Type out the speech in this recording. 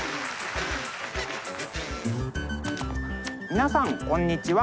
皆さんこんにちは。